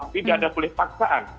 tidak ada boleh paksaan